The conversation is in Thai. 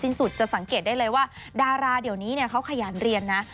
สุดจะสังเกตได้เลยว่าดาราเดี๋ยวนี้เนี่ยเขาขยันเรียนนะ